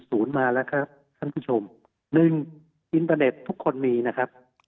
มาแล้วครับท่านผู้ชมหนึ่งอินเตอร์เน็ตทุกคนมีนะครับ